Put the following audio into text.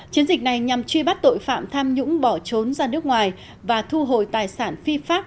chiến dịch này nhằm truy bắt tội phạm tham nhũng bỏ trốn ra nước ngoài và thu hồi tài sản phi pháp